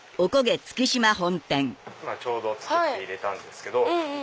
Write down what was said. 今ちょうど作って入れたんですけど。